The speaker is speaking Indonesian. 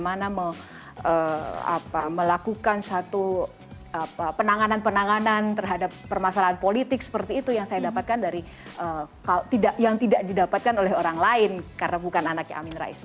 bagaimana melakukan satu penanganan penanganan terhadap permasalahan politik seperti itu yang saya dapatkan dari yang tidak didapatkan oleh orang lain karena bukan anaknya amin rais